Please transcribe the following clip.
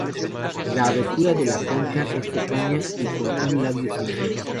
La abertura de la concha es pequeña y con un labio simple.